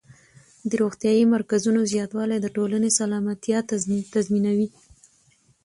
د روغتیايي مرکزونو زیاتوالی د ټولنې سلامتیا تضمینوي.